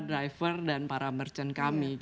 driver dan para merchant kami